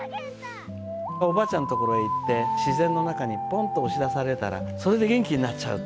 おばあちゃんの所に行って、自然の中にぽんっと押し出されたら、それで元気になっちゃう。